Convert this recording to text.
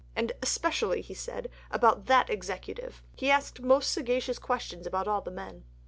And "especially (he said) about that Executive." He asked most sagacious questions about all the men.